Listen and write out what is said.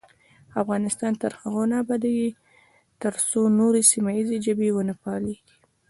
افغانستان تر هغو نه ابادیږي، ترڅو نورې سیمه ییزې ژبې ونه پالیږي.